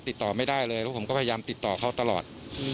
ติดต่อไม่ได้เลยเพราะผมก็พยายามติดต่อเขาตลอด